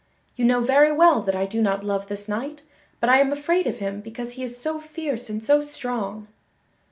You know very well that I do not love this knight, but I am afraid of him because he is so fierce and so strong."